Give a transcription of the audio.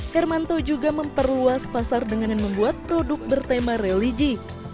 hermanto juga memperluas pasar dengan membuat produk bertema religi